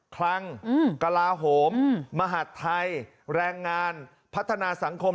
คลังกลาโหมมหาดไทยแรงงานพัฒนาสังคม